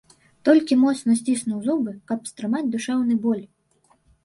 Толькі моцна сціснуў зубы, каб стрымаць душэўны боль.